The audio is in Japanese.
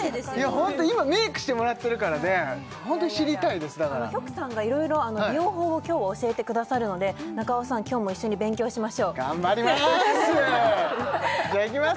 ホント今メイクしてもらってるからねホントに知りたいですだからヒョクさんがいろいろ美容法を今日は教えてくださるので中尾さん今日も一緒に勉強しましょう頑張りまーす！